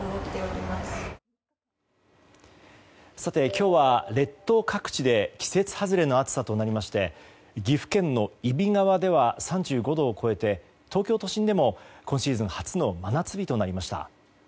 今日は列島各地で季節外れの暑さとなりまして岐阜県の揖斐川では３５度を超えて東京都心でも今シーズン初の真夏日となりました。